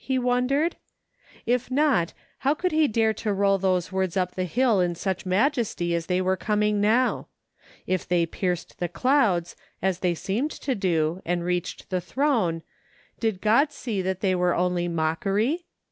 he wondered. If not, how could he dare to roll those words up the hill in such majesty as they were coming now ? If they pierced the clouds, as they seemed to do, and reached the throne, did God see that they were only mockery